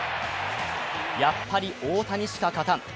やっぱり大谷しか勝たん。